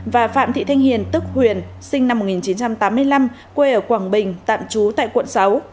và phạm thị thanh hiền tức huyền sinh năm một nghìn chín trăm tám mươi năm quê ở quảng bình tạm trú tại quận sáu